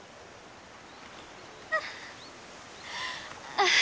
ああ。